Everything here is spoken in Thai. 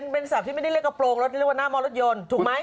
เป็นศัพท์ที่ไม่ได้เรียกกระโปรงรถที่เรียกว่าหน้าหม้อรถยนต์ถูกไหม